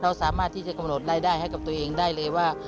สามารถที่จะกำหนดรายได้ให้กับตัวเองได้เลยว่า